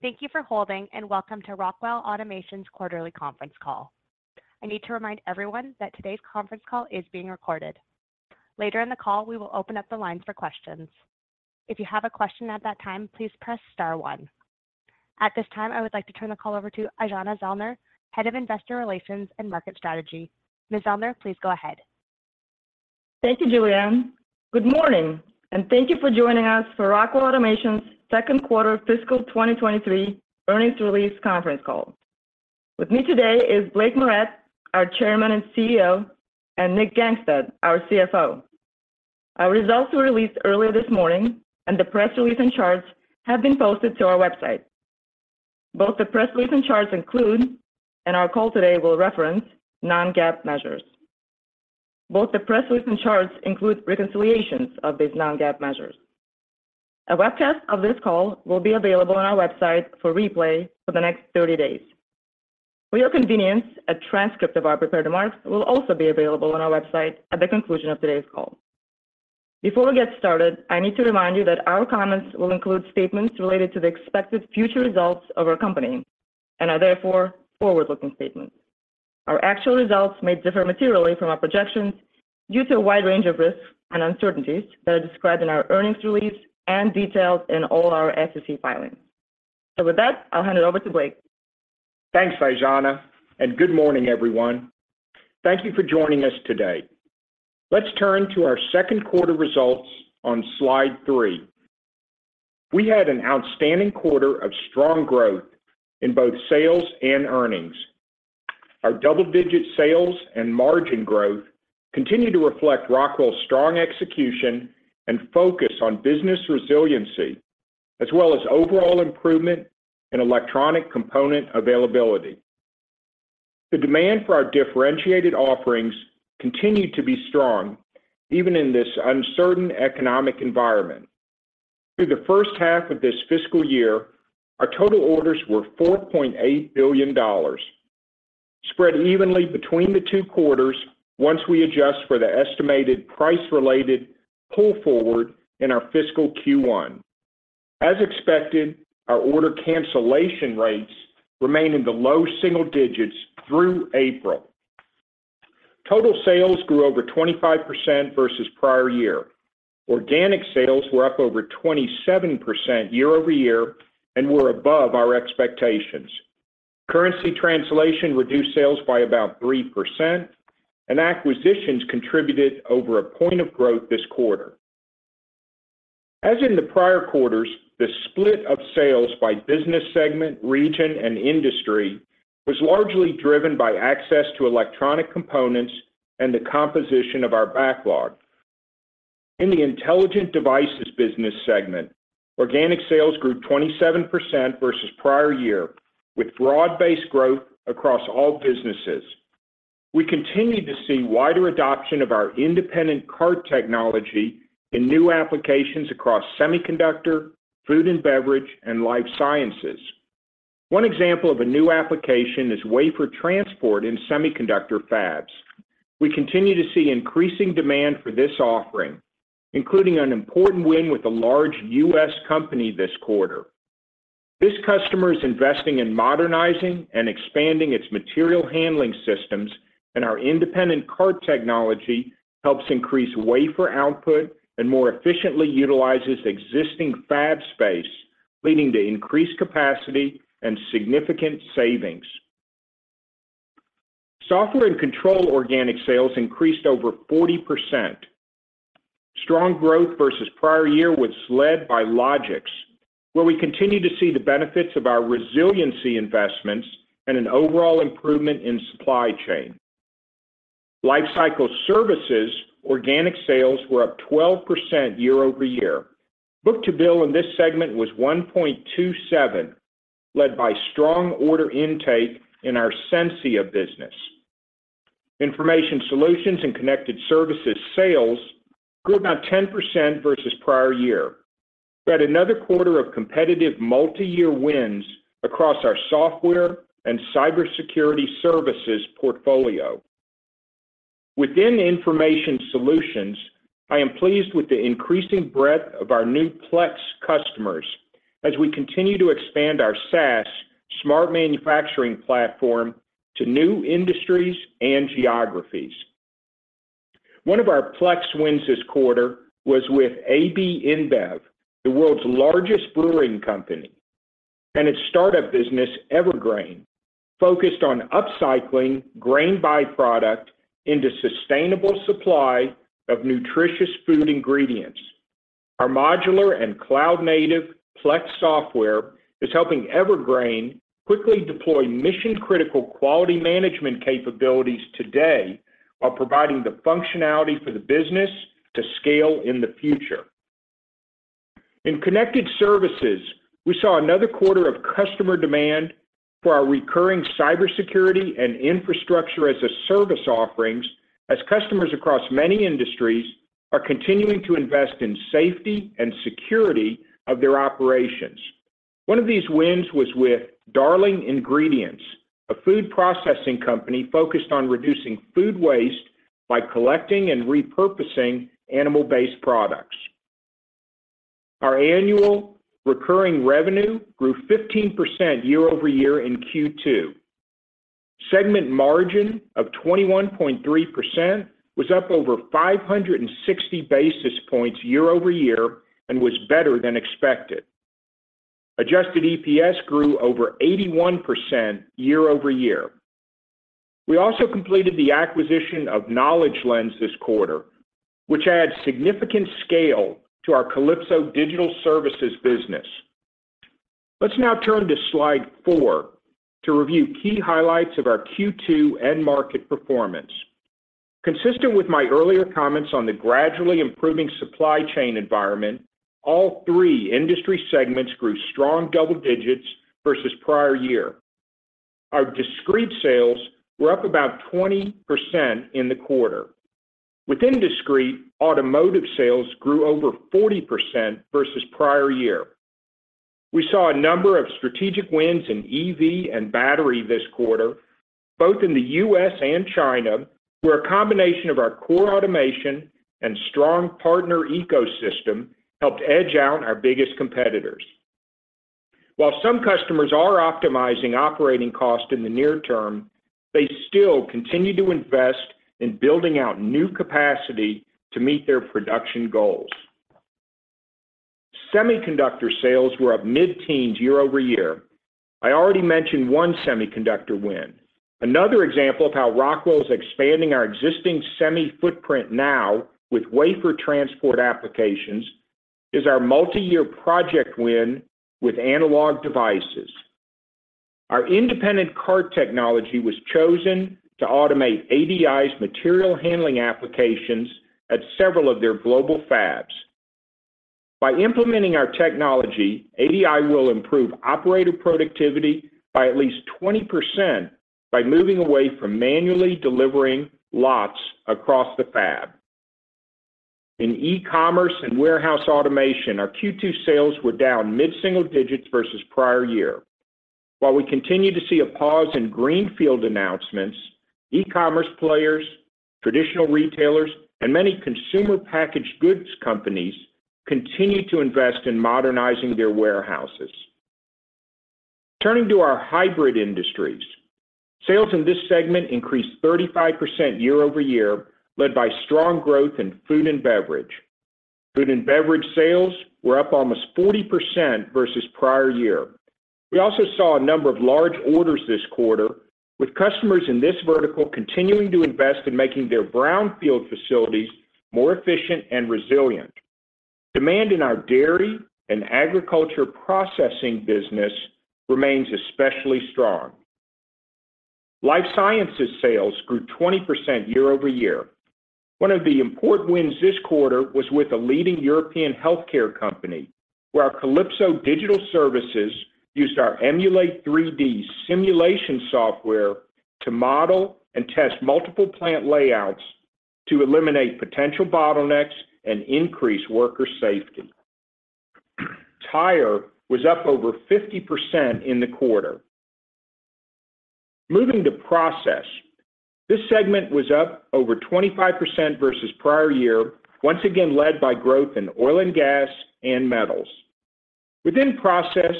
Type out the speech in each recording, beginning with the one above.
Thank you for holding, and welcome to Rockwell Automation's quarterly conference call. I need to remind everyone that today's conference call is being recorded. Later in the call, we will open up the lines for questions. If you have a question at that time, please press star one. At this time, I would like to turn the call over to Aijana Zellner, Head of Investor Relations and Market Strategy. Ms. Zellner, please go ahead. Thank you, Julianne. Good morning, and thank you for joining us for Rockwell Automation's second quarter fiscal 2023 earnings release conference call. With me today is Blake Moret, our Chairman and CEO, and Nick Gangestad, our CFO. Our results were released earlier this morning, and the press release and charts have been posted to our website. Both the press release and charts include, and our call today will reference, non-GAAP measures. Both the press release and charts include reconciliations of these non-GAAP measures. A webcast of this call will be available on our website for replay for the next 30 days. For your convenience, a transcript of our prepared remarks will also be available on our website at the conclusion of today's call. Before we get started, I need to remind you that our comments will include statements related to the expected future results of our company and are therefore forward-looking statements. Our actual results may differ materially from our projections due to a wide range of risks and uncertainties that are described in our earnings release and detailed in all our SEC filings. With that, I'll hand it over to Blake. Thanks, Aijana, and good morning, everyone. Thank you for joining us today. Let's turn to our second quarter results on slide 3. We had an outstanding quarter of strong growth in both sales and earnings. Our double-digit sales and margin growth continue to reflect Rockwell's strong execution and focus on business resiliency, as well as overall improvement in electronic component availability. The demand for our differentiated offerings continued to be strong even in this uncertain economic environment. Through the first half of this fiscal year, our total orders were $4.8 billion, spread evenly between the 2 quarters once we adjust for the estimated price-related pull forward in our fiscal Q1. As expected, our order cancellation rates remain in the low single digits through April. Total sales grew over 25% versus prior year. Organic sales were up over 27% year-over-year and were above our expectations. Currency translation reduced sales by about 3%, acquisitions contributed over a point of growth this quarter. As in the prior quarters, the split of sales by business segment, region, and industry was largely driven by access to electronic components and the composition of our backlog. In the intelligent devices business segment, organic sales grew 27% versus prior year, with broad-based growth across all businesses. We continue to see wider adoption of our independent cart technology in new applications across semiconductor, food and beverage, and life sciences. One example of a new application is wafer transport in semiconductor fabs. We continue to see increasing demand for this offering, including an important win with a large U.S. company this quarter. This customer is investing in modernizing and expanding its material handling systems, and our independent cart technology helps increase wafer output and more efficiently utilizes existing fab space, leading to increased capacity and significant savings. Software and control organic sales increased over 40%. Strong growth versus prior year was led by Logix, where we continue to see the benefits of our resiliency investments and an overall improvement in supply chain. Lifecycle services organic sales were up 12% year-over-year. Book-to-bill in this segment was 1.27, led by strong order intake in our Sensia business. Information solutions and connected services sales grew about 10% versus prior year. We had another quarter of competitive multiyear wins across our software and cybersecurity services portfolio. Within information solutions, I am pleased with the increasing breadth of our new Plex customers as we continue to expand our SaaS smart manufacturing platform to new industries and geographies. One of our Plex wins this quarter was with AB InBev, the world's largest brewing company, and its startup business, Evergrain, focused on upcycling grain by-product into sustainable supply of nutritious food ingredients. Our modular and cloud-native Plex software is helping Evergrain quickly deploy mission-critical quality management capabilities today while providing the functionality for the business to scale in the future. In connected services, we saw another quarter of customer demand for our recurring cybersecurity and infrastructure-as-a-service offerings as customers across many industries are continuing to invest in safety and security of their operations. One of these wins was with Darling Ingredients, a food processing company focused on reducing food waste, by collecting and repurposing animal-based products. Our annual recurring revenue grew 15% year-over-year in Q2. Segment margin of 21.3% was up over 560 basis points year-over-year and was better than expected. Adjusted EPS grew over 81% year-over-year. We also completed the acquisition of Knowledge Lens this quarter, which adds significant scale to our Kalypso Digital Services business. Let's now turn to slide 4 to review key highlights of our Q2 end market performance. Consistent with my earlier comments on the gradually improving supply chain environment, all 3 industry segments grew strong double digits versus prior year. Our discrete sales were up about 20% in the quarter. Within discrete, automotive sales grew over 40% versus prior year. We saw a number of strategic wins in EV and battery this quarter, both in the U.S. and China, where a combination of our core automation and strong partner ecosystem helped edge out our biggest competitors. While some customers are optimizing operating costs in the near term, they still continue to invest in building out new capacity to meet their production goals. Semiconductor sales were up mid-teens year-over-year. I already mentioned one semiconductor win. Another example of how Rockwell is expanding our existing semi footprint now with wafer transport applications is our multi-year project win with Analog Devices. Our independent cart technology was chosen to automate ADI's material handling applications at several of their global fabs. By implementing our technology, ADI will improve operator productivity by at least 20% by moving away from manually delivering lots across the fab. In e-commerce and warehouse automation, our Q2 sales were down mid-single digits versus prior year. While we continue to see a pause in greenfield announcements, e-commerce players, traditional retailers, and many consumer packaged goods companies continue to invest in modernizing their warehouses. Turning to our hybrid industries, sales in this segment increased 35% year-over-year, led by strong growth in food and beverage. Food and beverage sales were up almost 40% versus prior year. We also saw a number of large orders this quarter, with customers in this vertical continuing to invest in making their brownfield facilities more efficient and resilient. Demand in our dairy and agriculture processing business remains especially strong. Life sciences sales grew 20% year-over-year. One of the important wins this quarter was with a leading European healthcare company, where our Kalypso Digital Services used our Emulate3D simulation software to model and test multiple plant layouts to eliminate potential bottlenecks and increase worker safety. Tire was up over 50% in the quarter. Moving to process, this segment was up over 25% versus prior year, once again led by growth in oil and gas and metals. Within process,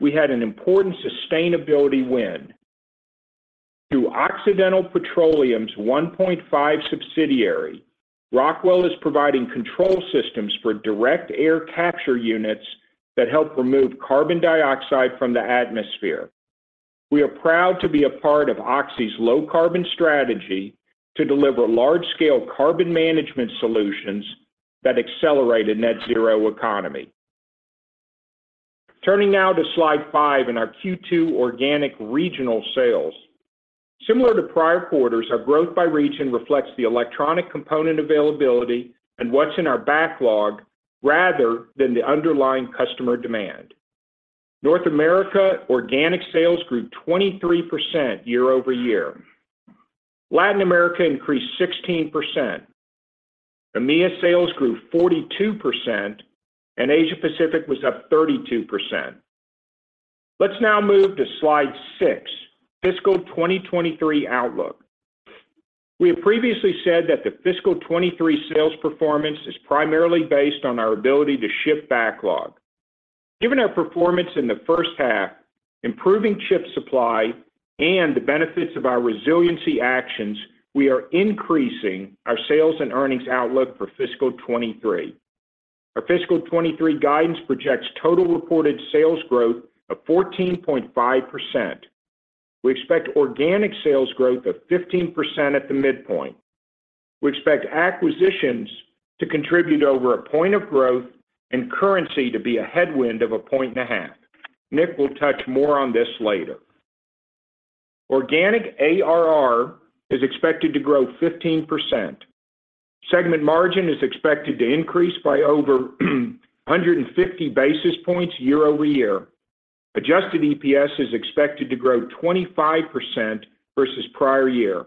we had an important sustainability win. Through Occidental Petroleum's 1PointFive subsidiary, Rockwell is providing control systems for direct air capture units that help remove carbon dioxide from the atmosphere. We are proud to be a part of Oxy's low carbon strategy to deliver large-scale carbon management solutions that accelerate a net zero economy. Turning now to slide 5 in our Q2 organic regional sales. Similar to prior quarters, our growth by region reflects the electronic component availability and what's in our backlog rather than the underlying customer demand. North America organic sales grew 23% year-over-year. Latin America increased 16%. EMEA sales grew 42%, and Asia-Pacific was up 32%. Let's now move to slide 6, fiscal 2023 outlook. We have previously said that the fiscal 2023 sales performance is primarily based on our ability to ship backlog. Given our performance in the first half, improving chip supply, and the benefits of our resiliency actions, we are increasing our sales and earnings outlook for fiscal 2023. Our fiscal 2023 guidance projects total reported sales growth of 14.5%. We expect organic sales growth of 15% at the midpoint. We expect acquisitions to contribute over a point of growth and currency to be a headwind of a point and a half. Nick will touch more on this later. Organic ARR is expected to grow 15%. Segment margin is expected to increase by over 150 basis points year-over-year. Adjusted EPS is expected to grow 25% versus prior year,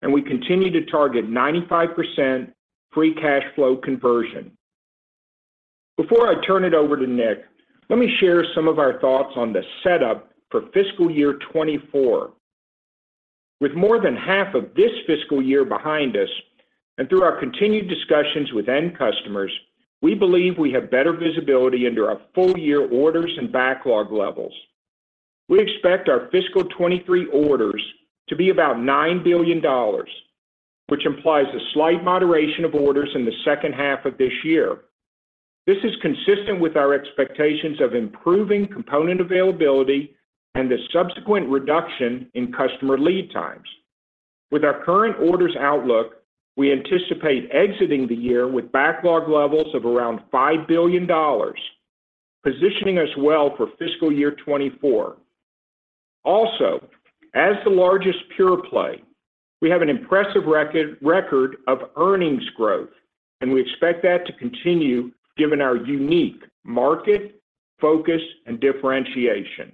and we continue to target 95% free cash flow conversion. Before I turn it over to Nick, let me share some of our thoughts on the setup for fiscal year 2024. With more than half of this fiscal year behind us, and through our continued discussions with end customers, we believe we have better visibility into our full year orders and backlog levels. We expect our fiscal 2023 orders to be about $9 billion, which implies a slight moderation of orders in the second half of this year. This is consistent with our expectations of improving component availability and the subsequent reduction in customer lead times. With our current orders outlook, we anticipate exiting the year with backlog levels of around $5 billion, positioning us well for fiscal year 2024. As the largest pure play, we have an impressive record of earnings growth, and we expect that to continue given our unique market focus and differentiation.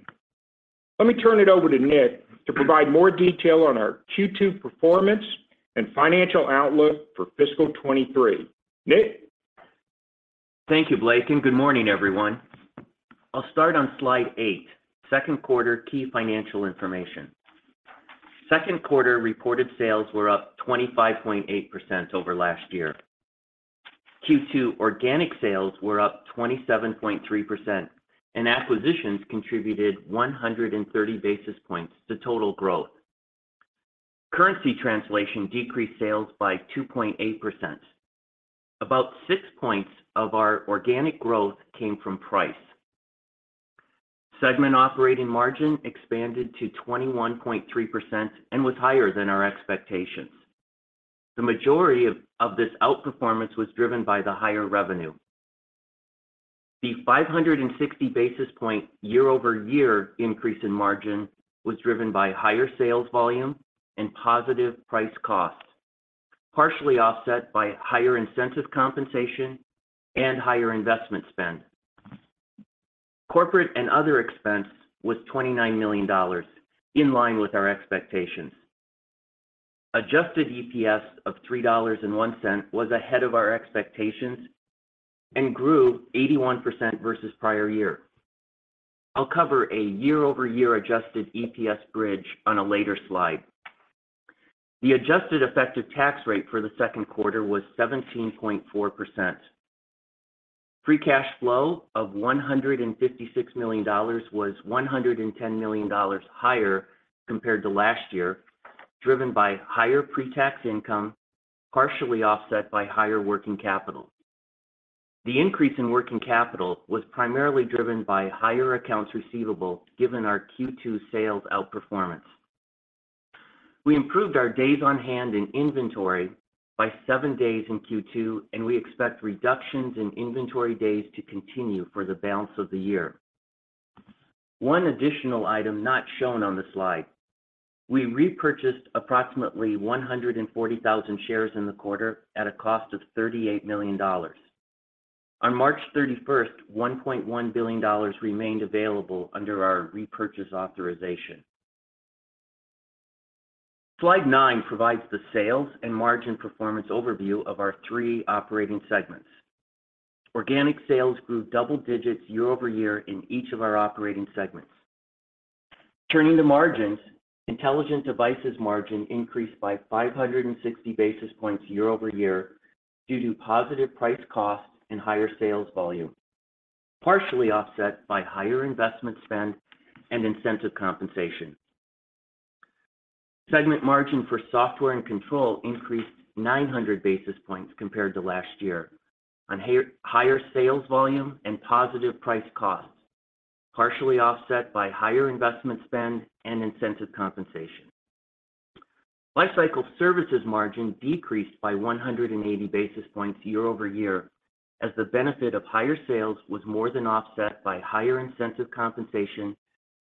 Let me turn it over to Nick to provide more detail on our Q2 performance and financial outlook for fiscal 2023. Nick? Thank you, Blake, and good morning, everyone. I'll start on slide 8, second quarter key financial information. Second quarter reported sales were up 25.8% over last year. Q2 organic sales were up 27.3%, and acquisitions contributed 130 basis points to total growth. Currency translation decreased sales by 2.8%. About 6 points of our organic growth came from price. Segment operating margin expanded to 21.3% and was higher than our expectations. The majority of this outperformance was driven by the higher revenue. The 560 basis point year-over-year increase in margin was driven by higher sales volume and positive price costs, partially offset by higher incentive compensation and higher investment spend. Corporate and other expense was $29 million, in line with our expectations. Adjusted EPS of $3.01 was ahead of our expectations and grew 81% versus prior year. I'll cover a year-over-year adjusted EPS bridge on a later slide. The adjusted effective tax rate for the second quarter was 17.4%. Free cash flow of $156 million was $110 million higher compared to last year, driven by higher pre-tax income, partially offset by higher working capital. The increase in working capital was primarily driven by higher accounts receivable given our Q2 sales outperformance. We improved our days on hand in inventory by seven days in Q2, and we expect reductions in inventory days to continue for the balance of the year. One additional item not shown on the slide: we repurchased approximately 140,000 shares in the quarter at a cost of $38 million. On March 31st, $1.1 billion remained available under our repurchase authorization. Slide 9 provides the sales and margin performance overview of our three operating segments. Organic sales grew double digits year-over-year in each of our operating segments. Turning to margins, Intelligent Devices margin increased by 560 basis points year-over-year due to positive price costs and higher sales volume, partially offset by higher investment spend and incentive compensation. Segment margin for Software & Control increased 900 basis points compared to last year on higher sales volume and positive price costs, partially offset by higher investment spend and incentive compensation. Lifecycle Services margin decreased by 180 basis points year-over-year as the benefit of higher sales was more than offset by higher incentive compensation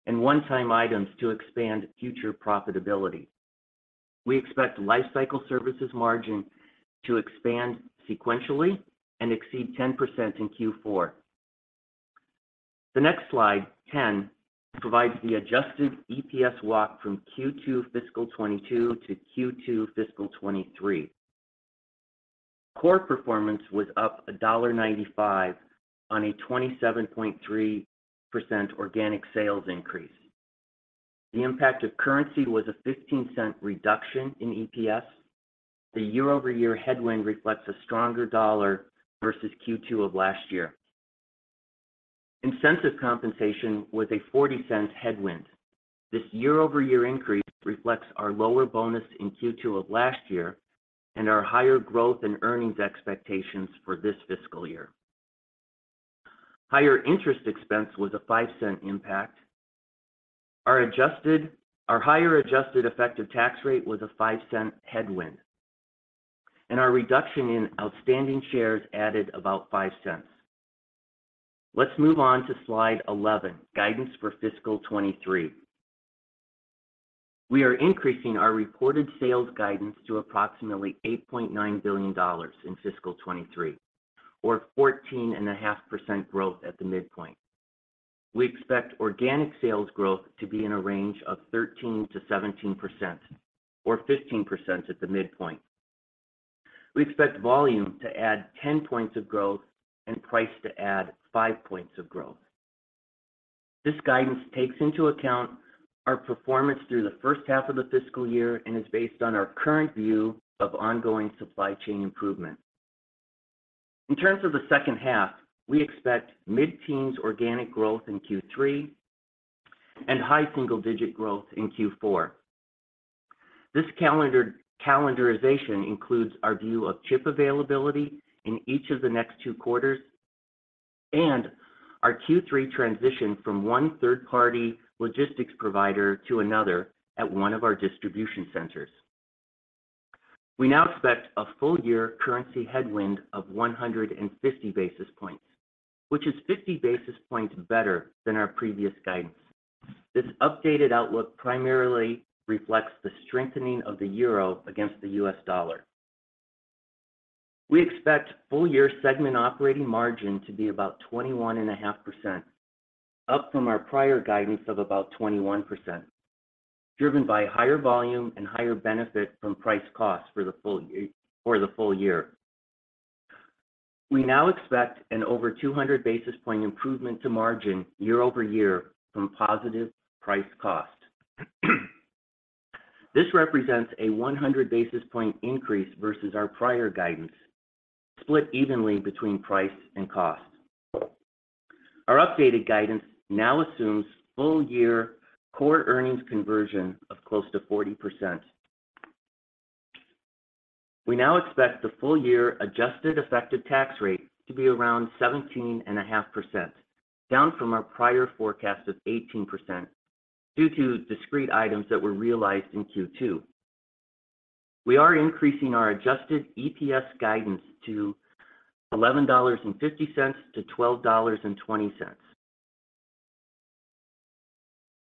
and one-time items to expand future profitability. We expect lifecycle services margin to expand sequentially and exceed 10% in Q4. The next slide, 10, provides the adjusted EPS walk from Q2 fiscal 2022 to Q2 fiscal 2023. Core performance was up $1.95 on a 27.3% organic sales increase. The impact of currency was a $0.15 reduction in EPS. The year-over-year headwind reflects a stronger dollar versus Q2 of last year. Incentive compensation was a $0.40 headwind. This year-over-year increase reflects our lower bonus in Q2 of last year and our higher growth and earnings expectations for this fiscal year. Higher interest expense was a $0.05 impact. Our higher adjusted effective tax rate was a $0.05 headwind, and our reduction in outstanding shares added about $0.05. Let's move on to slide 11, Guidance for Fiscal 2023. We are increasing our reported sales guidance to approximately $8.9 billion in fiscal 2023 or 14.5% growth at the midpoint. We expect organic sales growth to be in a range of 13%-17%, or 15% at the midpoint. We expect volume to add 10 points of growth and price to add 5 points of growth. This guidance takes into account our performance through the first half of the fiscal year and is based on our current view of ongoing supply chain improvement. In terms of the second half, we expect mid-teens organic growth in Q3 and high single-digit growth in Q4. This calendarization includes our view of chip availability in each of the next two quarters and our Q3 transition from one third-party logistics provider to another at one of our distribution centers. We now expect a full year currency headwind of 150 basis points, which is 50 basis points better than our previous guidance. This updated outlook primarily reflects the strengthening of the euro against the US dollar. We expect full year segment operating margin to be about 21.5%, up from our prior guidance of about 21%, driven by higher volume and higher benefit from price cost for the full year. We now expect an over 200 basis point improvement to margin year-over-year from positive price cost. This represents a 100 basis point increase versus our prior guidance, split evenly between price and cost. Our updated guidance now assumes full year core earnings conversion of close to 40%. We now expect the full year adjusted effective tax rate to be around 17.5%, down from our prior forecast of 18% due to discrete items that were realized in Q2. We are increasing our adjusted EPS guidance to $11.50-$12.20.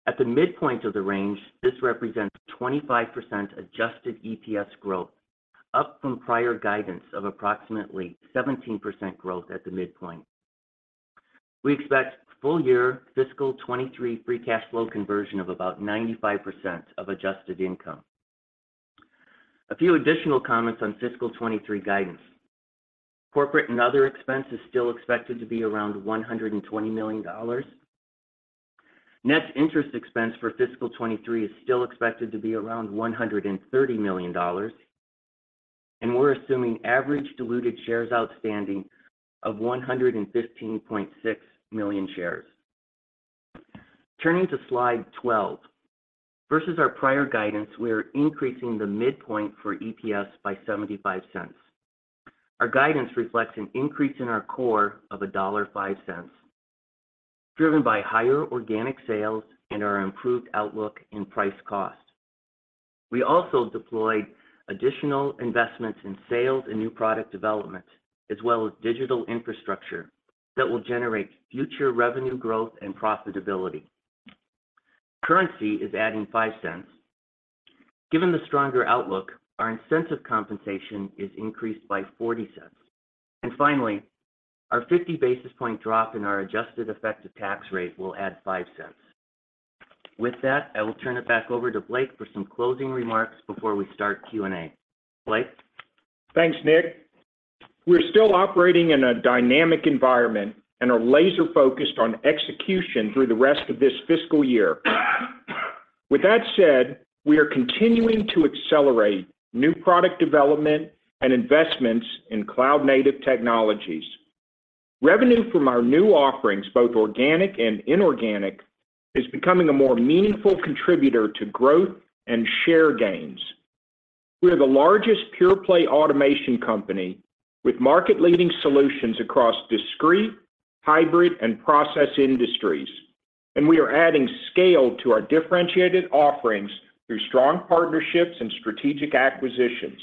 At the midpoint of the range, this represents 25% adjusted EPS growth, up from prior guidance of approximately 17% growth at the midpoint. We expect full year fiscal 2023 free cash flow conversion of about 95% of adjusted income. A few additional comments on fiscal 2023 guidance. Corporate and other expense is still expected to be around $120 million. Net interest expense for fiscal 2023 is still expected to be around $130 million, and we're assuming average diluted shares outstanding of 115.6 million shares. Turning to slide 12. Versus our prior guidance, we are increasing the midpoint for EPS by $0.75. Our guidance reflects an increase in our core of $1.05, driven by higher organic sales and our improved outlook in price cost. We also deployed additional investments in sales and new product development, as well as digital infrastructure that will generate future revenue growth and profitability. Currency is adding $0.05. Given the stronger outlook, our incentive compensation is increased by $0.40. Finally, our 50 basis point drop in our adjusted effective tax rate will add $0.05. With that, I will turn it back over to Blake for some closing remarks before we start Q&A. Blake? Thanks, Nick. We're still operating in a dynamic environment and are laser-focused on execution through the rest of this fiscal year. With that said, we are continuing to accelerate new product development and investments in cloud-native technologies. Revenue from our new offerings, both organic and inorganic, is becoming a more meaningful contributor to growth and share gains. We are the largest pure-play automation company with market-leading solutions across discrete, hybrid, and process industries, and we are adding scale to our differentiated offerings through strong partnerships and strategic acquisitions.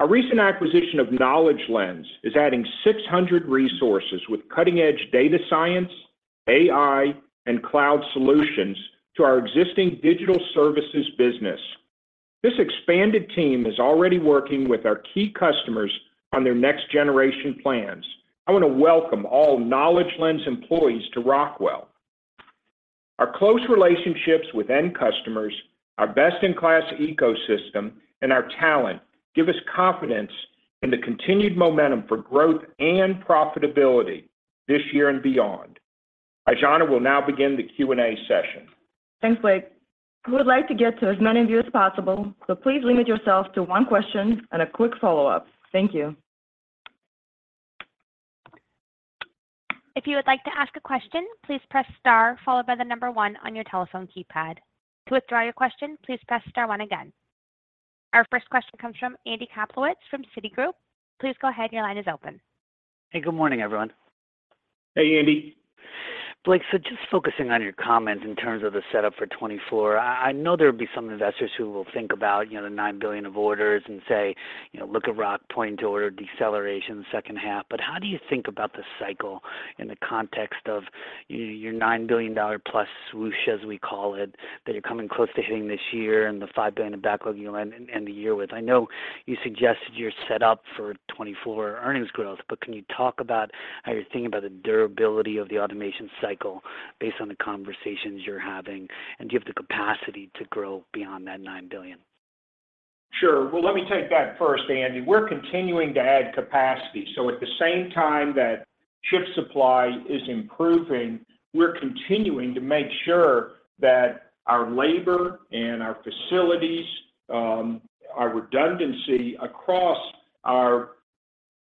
Our recent acquisition of Knowledge Lens is adding 600 resources with cutting-edge data science, AI, and cloud solutions to our existing digital services business. This expanded team is already working with our key customers on their next generation plans. I want to welcome all Knowledge Lens employees to Rockwell. Our close relationships with end customers, our best-in-class ecosystem, and our talent give us confidence in the continued momentum for growth and profitability this year and beyond. Ajana will now begin the Q&A session. Thanks, Blake. We would like to get to as many of you as possible, so please limit yourself to one question and a quick follow-up. Thank you. If you would like to ask a question, please press star followed by the 1 on your telephone keypad. To withdraw your question, please press star one again. Our first question comes from Andy Kaplowitz from Citigroup. Please go ahead. Your line is open. Hey, good morning, everyone. Hey, Andy. Blake, just focusing on your comments in terms of the setup for 2024, I know there will be some investors who will think about, you know, the $9 billion of orders and say, you know, look at ROCK point to order deceleration second half. How do you think about the cycle in the context of your $9 billion plus swoosh, as we call it, that you're coming close to hitting this year and the $5 billion of backlog you'll end the year with? I know you suggested you're set up for 2024 earnings growth, can you talk about how you're thinking about the durability of the automation cycle based on the conversations you're having, and do you have the capacity to grow beyond that $9 billion? Sure. Well, let me take that first, Andy. We're continuing to add capacity. At the same time that ship supply is improving, we're continuing to make sure that our labor and our facilities, our redundancy across our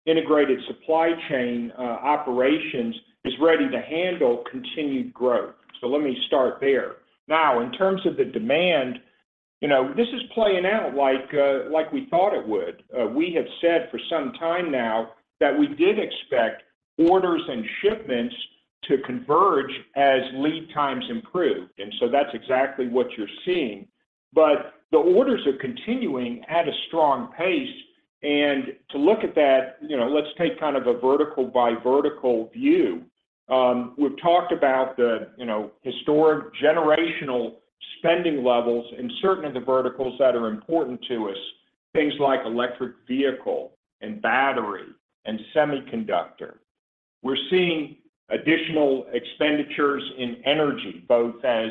integrated supply chain operations is ready to handle continued growth. Let me start there. Now, in terms of the demand, you know, this is playing out like we thought it would. We have said for some time now that we did expect orders and shipments to converge as lead times improve. That's exactly what you're seeing. The orders are continuing at a strong pace. To look at that, you know, let's take kind of a vertical by vertical view. We've talked about the, you know, historic generational spending levels in certain of the verticals that are important to us, things like electric vehicle and battery and semiconductor. We're seeing additional expenditures in energy, both as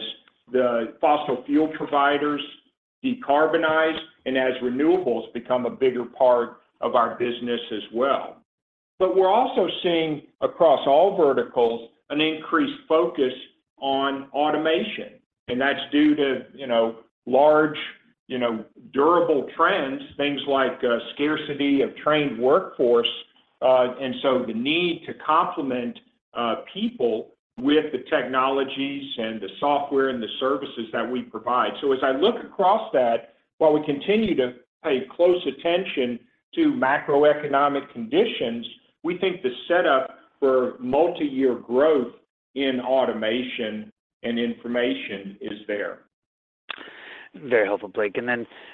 the fossil fuel providers decarbonize and as renewables become a bigger part of our business as well. We're also seeing across all verticals an increased focus on automation, and that's due to, you know, large, you know, durable trends, things like scarcity of trained workforce, and so the need to complement people with the technologies and the software and the services that we provide. As I look across that, while we continue to pay close attention to macroeconomic conditions, we think the setup for multiyear growth in automation and information is there. Very helpful, Blake.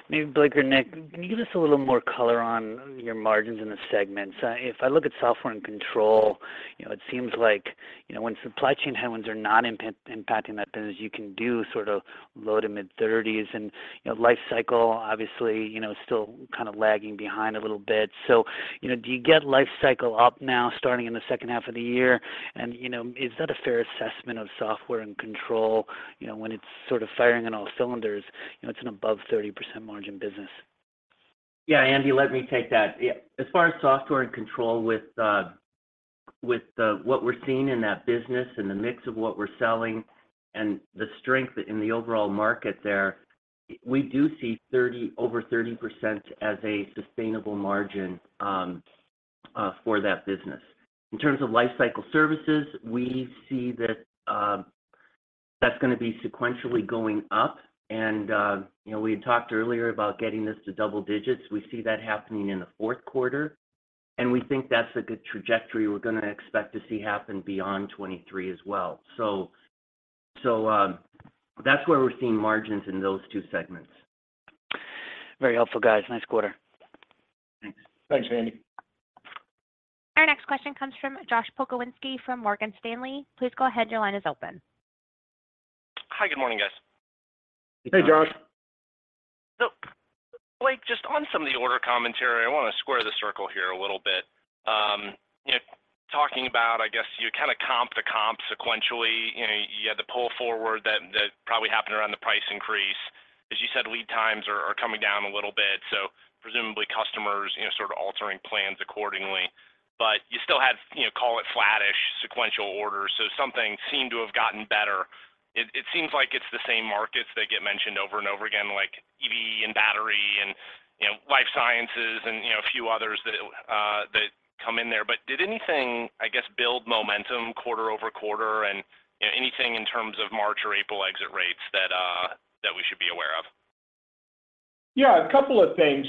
Maybe Blake or Nick, can you give us a little more color on your margins in the segments? If I look at software and control, you know, it seems like, you know, when supply chain headwinds are not impacting that business, you can do sort of low to mid 30s and, you know, life cycle obviously, you know, still kind of lagging behind a little bit. You know, do you get life cycle up now starting in the second half of the year? You know, is that a fair assessment of software and control? You know, when it's sort of firing on all cylinders, you know, it's an above 30% margin business. Yeah. Andy, let me take that. Yeah, as far as software and control with what we're seeing in that business and the mix of what we're selling and the strength in the overall market there, we do see over 30% as a sustainable margin for that business. In terms of lifecycle services, we see that that's gonna be sequentially going up. You know, we had talked earlier about getting this to double digits. We see that happening in the fourth quarter, and we think that's a good trajectory we're gonna expect to see happen beyond 2023 as well. That's where we're seeing margins in those two segments. Very helpful, guys. Nice quarter. Thanks, Andy. Our next question comes from Josh Pokrzywinski from Morgan Stanley. Please go ahead. Your line is open. Hi. Good morning, guys. Hey, Josh. Blake, just on some of the order commentary, I wanna square the circle here a little bit. You know, talking about, I guess, you kind of comp to comp sequentially, you know, you had the pull forward that probably happened around the price increase. As you said, lead times are coming down a little bit, so presumably customers, you know, sort of altering plans accordingly. You still had, you know, call it flattish sequential orders, so something seemed to have gotten better. It seems like it's the same markets that get mentioned over and over again, like EV and battery and, you know, life sciences and, you know, a few others that come in there. Did anything, I guess, build momentum quarter-over-quarter and, you know, anything in terms of March or April exit rates that we should be aware of? Yeah, a couple of things.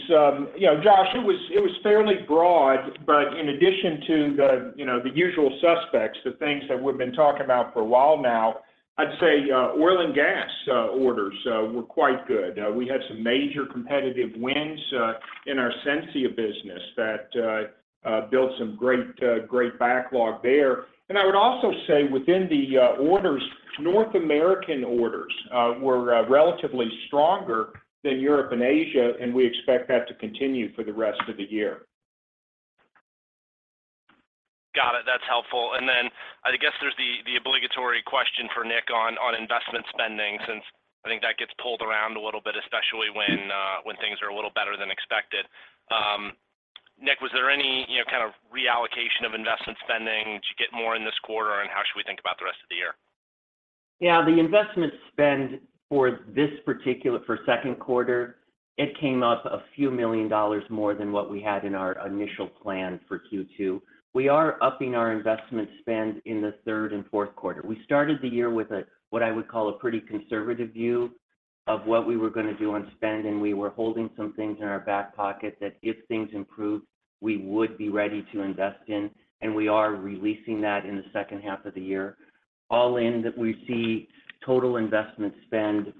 You know, Josh, it was, it was fairly broad, but in addition to the, you know, the usual suspects, the things that we've been talking about for a while now, I'd say, oil and gas, orders, were quite good. We had some major competitive wins, in our Sensia business that built some great backlog there. I would also say within the orders, North American orders, were relatively stronger than Europe and Asia, and we expect that to continue for the rest of the year. Got it. That's helpful. I guess there's the obligatory question for Nick on investment spending since I think that gets pulled around a little bit, especially when things are a little better than expected. Nick, was there any, you know, kind of reallocation of investment spending? Did you get more in this quarter, and how should we think about the rest of the year? Yeah. The investment spend for second quarter, it came up a few million dollars more than what we had in our initial plan for Q2. We are upping our investment spend in the third and fourth quarter. We started the year with a, what I would call a pretty conservative view of what we were going to do on spend. We were holding some things in our back pocket that if things improved, we would be ready to invest in. We are releasing that in the second half of the year. All in that we see total investment spend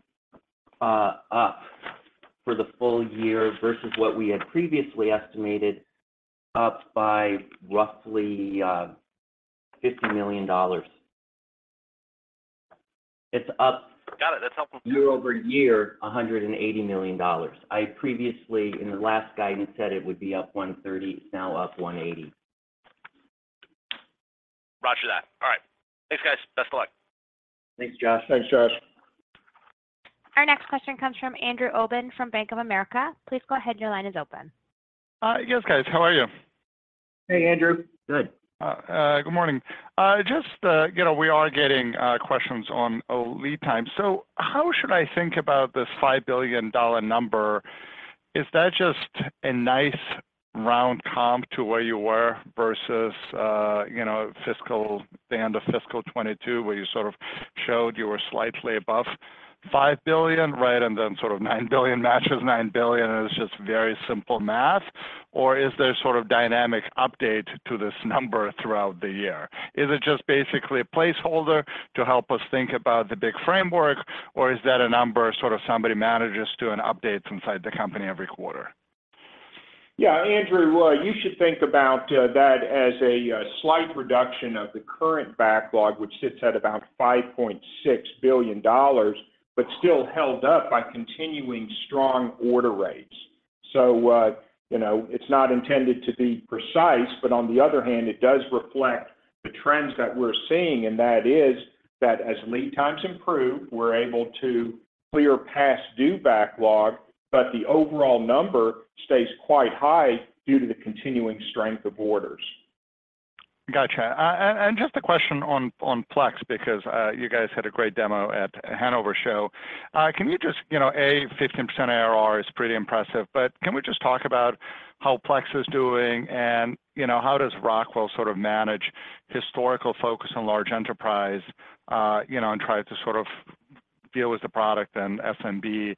up for the full year versus what we had previously estimated up by roughly $50 million. Got it. That's helpful. year over year, $180 million. I previously in the last guidance said it would be up $130 million, it's now up $180 million. Thanks guys. Best luck. Thanks, Josh. Thanks, Josh. Our next question comes from Andrew Obin from Bank of America. Please go ahead. Your line is open. Yes guys, how are you? Hey, Andrew. Good. Good morning. Just, you know, we are getting questions on lead time. How should I think about this $5 billion number? Is that just a nice round comp to where you were versus, you know, fiscal, the end of fiscal 22, where you sort of showed you were slightly above $5 billion, right? Then sort of $9 billion matches $9 billion, and it's just very simple math. Is there sort of dynamic update to this number throughout the year? Is it just basically a placeholder to help us think about the big framework, or is that a number sort of somebody manages to and updates inside the company every quarter? Yeah, Andrew, well, you should think about that as a slight reduction of the current backlog, which sits at about $5.6 billion, but still held up by continuing strong order rates. You know, it's not intended to be precise, but on the other hand, it does reflect the trends that we're seeing, and that is that as lead times improve, we're able to clear past due backlog, but the overall number stays quite high due to the continuing strength of orders. Gotcha. Just a question on Plex, because you guys had a great demo at Hannover Messe. Can you just, you know, A, 15% ARR is pretty impressive, but can we just talk about how Plex is doing and, you know, how does Rockwell sort of manage historical focus on large enterprise, you know, and try to sort of deal with the product and SMB,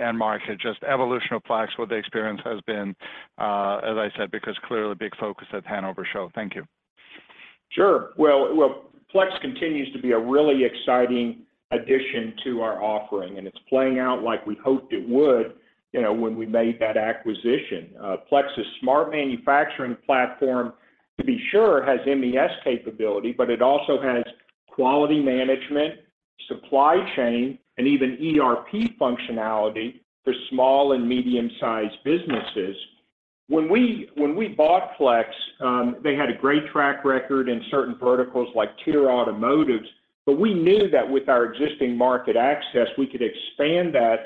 end market, just evolution of Plex, what the experience has been, as I said, because clearly big focus at Hannover Messe? Thank you. Sure. Well, Plex continues to be a really exciting addition to our offering, and it's playing out like we hoped it would, you know, when we made that acquisition. Plex's smart manufacturing platform, to be sure, has MES capability, but it also has quality management, supply chain, and even ERP functionality for small and medium-sized businesses. When we bought Plex, they had a great track record in certain verticals like tier automotives, but we knew that with our existing market access, we could expand that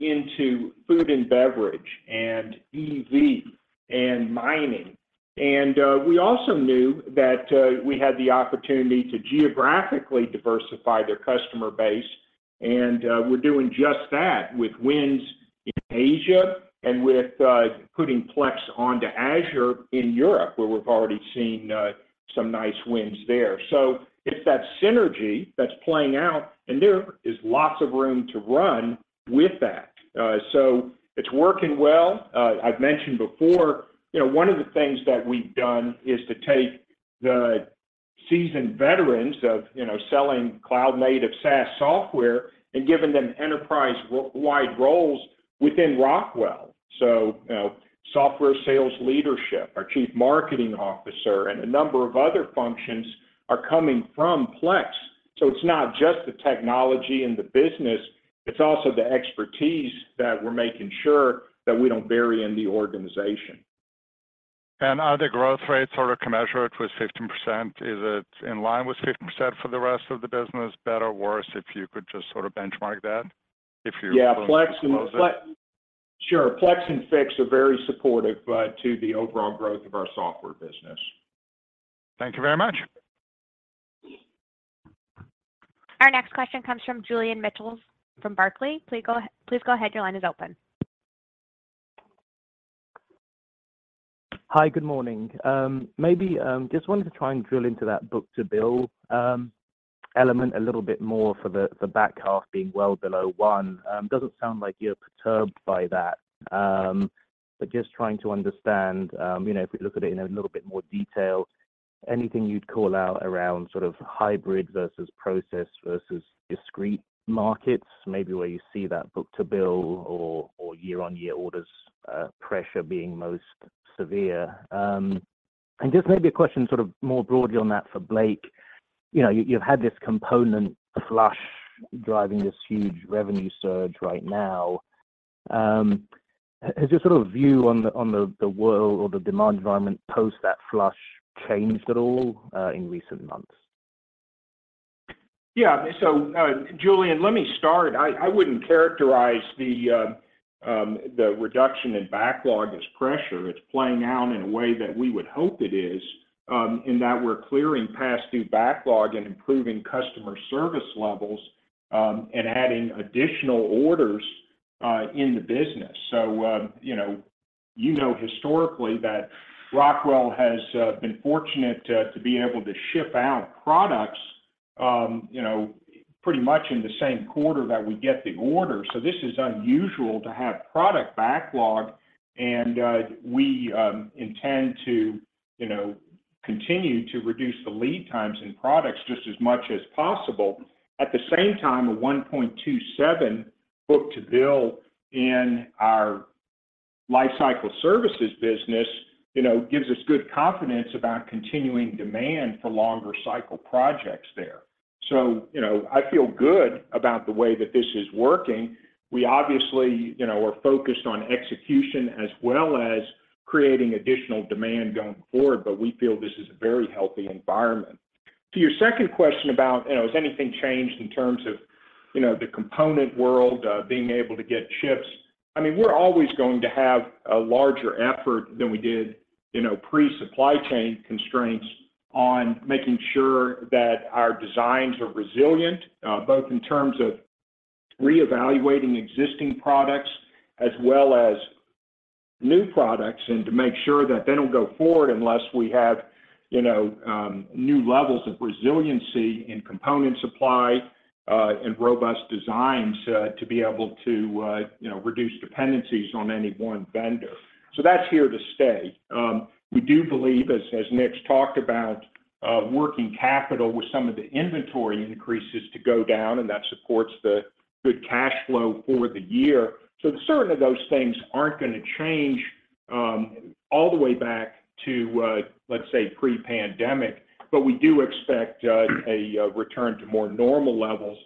into food and beverage, and EV, and mining. We also knew that we had the opportunity to geographically diversify their customer base, and we're doing just that with wins in Asia and with putting Plex onto Azure in Europe, where we've already seen some nice wins there. It's that synergy that's playing out, and there is lots of room to run with that. It's working well. I've mentioned before, you know, one of the things that we've done is to take the seasoned veterans of, you know, selling cloud-native SaaS software and giving them enterprise-wide roles within Rockwell. You know, software sales leadership, our chief marketing officer, and a number of other functions are coming from Plex. It's not just the technology and the business, it's also the expertise that we're making sure that we don't bury in the organization. Are the growth rates sort of commensurate with 15%? Is it in line with 15% for the rest of the business, better or worse, if you could just sort of benchmark that, if you're willing to disclose it? Yeah. Sure. Plex and Fiix are very supportive to the overall growth of our software business. Thank you very much. Our next question comes from Julian Mitchell from Barclays. Please go ahead. Your line is open. Hi. Good morning. Maybe just wanted to try and drill into that book-to-bill element a little bit more for the, for the back half being well below 1. Doesn't sound like you're perturbed by that, but just trying to understand, you know, if we look at it in a little bit more detail, anything you'd call out around sort of hybrid versus process versus discrete markets, maybe where you see that book-to-bill or year-on-year orders pressure being most severe. Just maybe a question sort of more broadly on that for Blake. You know, you've had this component flush driving this huge revenue surge right now. Has your sort of view on the, on the world or the demand environment post that flush changed at all in recent months? Yeah. Julian, let me start. I wouldn't characterize the reduction in backlog as pressure. It's playing out in a way that we would hope it is, in that we're clearing past due backlog and improving customer service levels, and adding additional orders in the business. You know, you know historically that Rockwell has been fortunate to be able to ship out products, you know, pretty much in the same quarter that we get the order. This is unusual to have product backlog and we intend to, you know, continue to reduce the lead times in products just as much as possible. At the same time, a 1.27 book-to-bill in our lifecycle services business, you know, gives us good confidence about continuing demand for longer cycle projects there. I feel good about the way that this is working. We obviously, you know, are focused on execution as well as creating additional demand going forward, but we feel this is a very healthy environment. To your second question about, you know, has anything changed in terms of, you know, the component world, being able to get chips. I mean, we're always going to have a larger effort than we did, you know, pre-supply chain constraints on making sure that our designs are resilient, both in terms of reevaluating existing products as well as new products, and to make sure that they don't go forward unless we have, you know, new levels of resiliency in component supply, and robust designs, to be able to, you know, reduce dependencies on any one vendor. That's here to stay. We do believe, as Nick's talked about, working capital with some of the inventory increases to go down, and that supports the good cash flow for the year. Certainly those things aren't gonna change, all the way back to, let's say, pre-pandemic. We do expect a return to more normal levels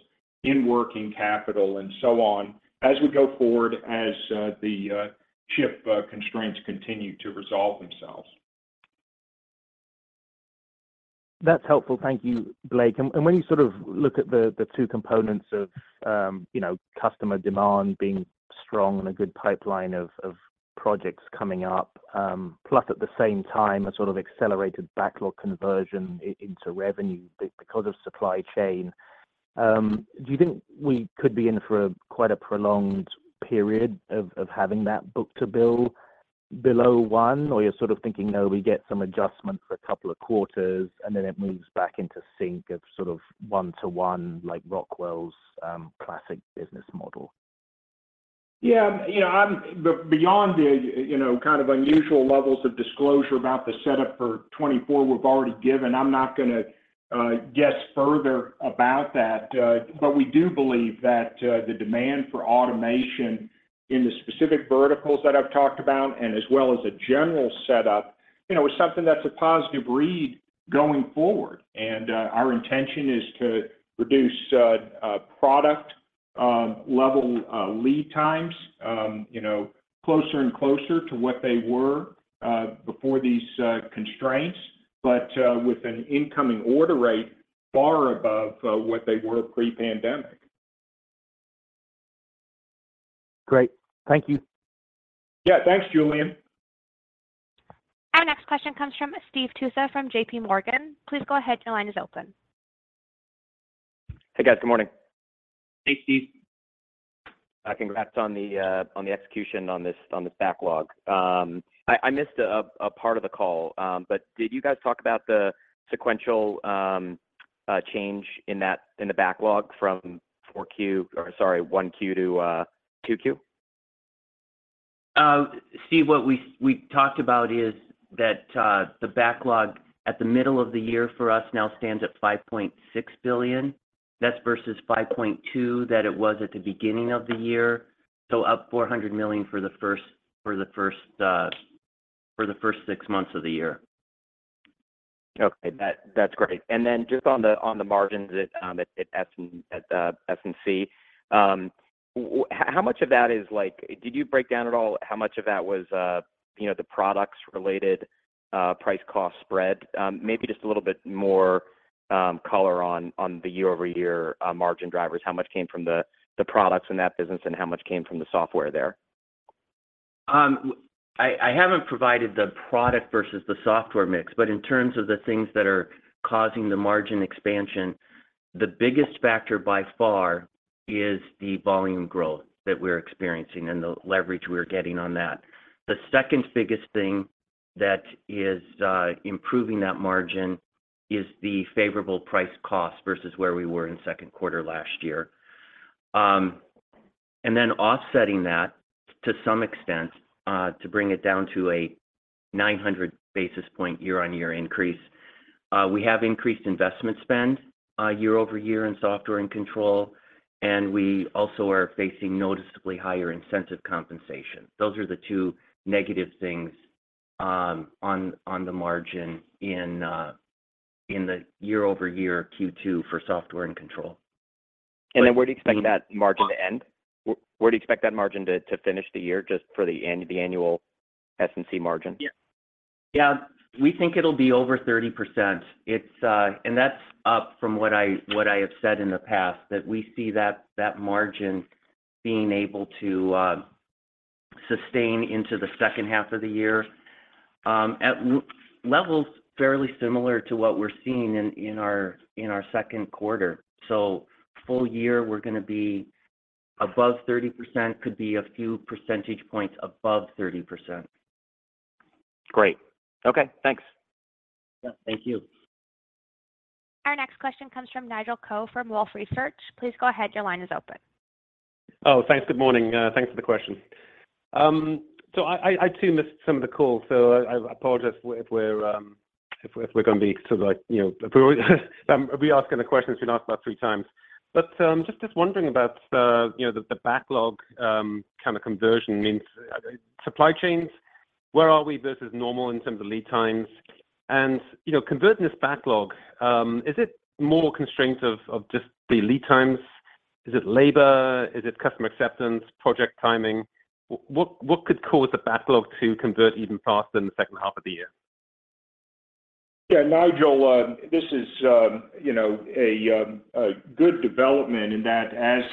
in working capital and so on as we go forward, as the chip constraints continue to resolve themselves. That's helpful. Thank you, Blake. When you sort of look at the two components of, you know, customer demand being strong and a good pipeline of projects coming up, plus at the same time, a sort of accelerated backlog conversion into revenue because of supply chain, do you think we could be in for quite a prolonged period of having that book-to-bill below 1? Or you're sort of thinking, "No, we get some adjustments for a couple of quarters, and then it moves back into sync of sort of 1 to 1, like Rockwell Automation's classic business model? Yeah. You know, beyond the, you know, kind of unusual levels of disclosure about the setup for 2024 we've already given, I'm not gonna guess further about that. We do believe that the demand for automation in the specific verticals that I've talked about, and as well as a general setup, you know, is something that's a positive read going forward. Our intention is to reduce a product level lead times, you know, closer and closer to what they were before these constraints, but with an incoming order rate far above what they were pre-pandemic. Great. Thank you. Yeah. Thanks, Julian. Our next question comes from Steve Tusa from JPMorgan. Please go ahead. Your line is open. Hey, guys. Good morning. Hey, Steve. Congrats on the execution on this, on this backlog. I missed a part of the call, did you guys talk about the sequential change in that, in the backlog from 1Q to 2Q? Steve, what we talked about is that the backlog at the middle of the year for us now stands at $5.6 billion. That's versus $5.2 billion that it was at the beginning of the year. Up $400 million for the first 6 months of the year. Okay. That's great. Just on the margins at S&C, how much of that is like... Did you break down at all how much of that was, you know, the products related price cost spread? Maybe just a little bit more color on the year-over-year margin drivers. How much came from the products in that business and how much came from the software there? I haven't provided the product versus the software mix. But in terms of the things that are causing the margin expansion, the biggest factor by far is the volume growth that we're experiencing and the leverage we're getting on that. The second biggest thing that is improving that margin is the favorable price cost versus where we were in Q2 last year. And then offsetting that to some extent, to bring it down to a 900 basis point year-on-year increase, we have increased investment spend year-over-year in Software and Control, and we also are facing noticeably higher incentive compensation. Those are the two negative things on the margin in the year-over-year Q2 for Software and Control. Where do you expect that margin to end? Where do you expect that margin to finish the year just for the annual S&C margin? Yeah. Yeah. We think it'll be over 30%. That's up from what I have said in the past, that we see that margin being able to sustain into the second half of the year, at levels fairly similar to what we're seeing in our second quarter. Full year, we're gonna be above 30%, could be a few percentage points above 30%. Great. Okay. Thanks. Yeah. Thank you. Our next question comes from Nigel Coe from Wolfe Research. Please go ahead. Your line is open. Oh, thanks. Good morning. Thanks for the question. I too missed some of the call, so I apologize if we're gonna be sort of like, you know, if we're asking the questions we've been asked about 3 times. Just wondering about the, you know, the backlog, kind of conversion means, supply chains. Where are we versus normal in terms of lead times? You know, converting this backlog, is it more constraints of just the lead times? Is it labor? Is it customer acceptance, project timing? What could cause the backlog to convert even faster in the second half of the year? Yeah, Nigel, this is, you know, a good development in that as